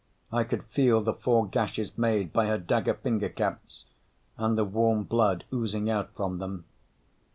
I could feel the four gashes made by her dagger finger caps, and the warm blood oozing out from them.